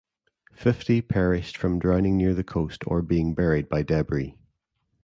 Fifty perished from downing near the coast or being buried by debris.